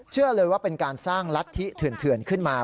เชื่อเลยว่าเป็นการสร้างรัฐธิเถื่อนขึ้นมา